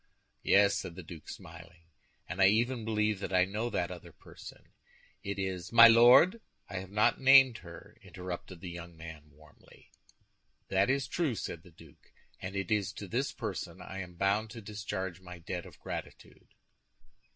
"Yes," said the duke, smiling, "and I even believe that I know that other person; it is—" "My Lord, I have not named her!" interrupted the young man, warmly. "That is true," said the duke; "and it is to this person I am bound to discharge my debt of gratitude."